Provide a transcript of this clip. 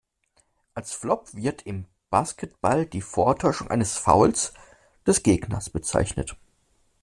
Als Flop wird im Basketball die Vortäuschung eines Fouls des Gegners bezeichnet.